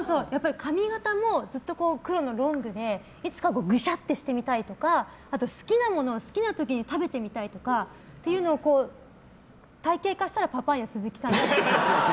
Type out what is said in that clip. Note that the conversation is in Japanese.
髪形も黒のロングでいつかぐしゃってしてみたいとか好きなものを好きな時に食べてみたいとかっていうのを体系化したらパパイヤ鈴木さんに。